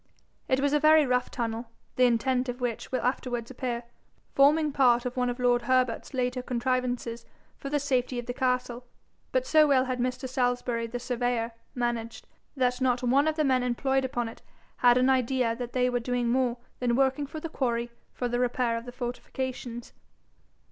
It was a very rough tunnel, the intent of which will afterwards appear, forming part of one of lord Herbert's later contrivances for the safety of the castle; but so well had Mr. Salisbury, the surveyor, managed, that not one of the men employed upon it had an idea that they were doing more than working the quarry for the repair of the fortifications.